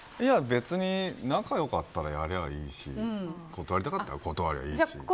別に仲良かったらやりゃいいし断りたかったら断ればいいし。